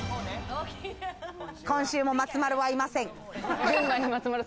今週も松丸はいません。